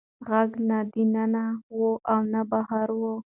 غږ نه د ننه و او نه بهر و.